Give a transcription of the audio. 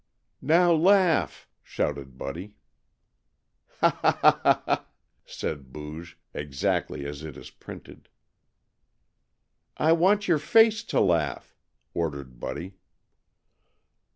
"Now, laugh! shouted Buddy. "Ha, ha! Ha, ha, ha!" said Booge, exactly as it is printed. "I want your face to laugh!" ordered Buddy.